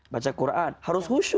baca quran harus khusyuk